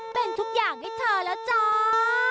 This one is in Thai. เป็นทุกอย่างให้เธอแล้วจ้า